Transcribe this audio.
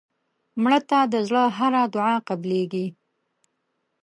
مړه ته د زړه هره دعا قبلیږي